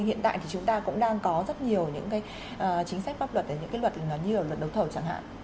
hiện tại thì chúng ta cũng đang có rất nhiều những cái chính sách bác luật những cái luật như là luật đầu thầu chẳng hạn